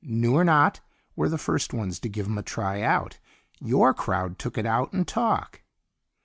"New or not, we're the first ones to give 'em a try out. Your crowd took it out in talk."